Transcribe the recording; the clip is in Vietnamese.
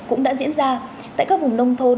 cũng đã diễn ra tại các vùng nông thôn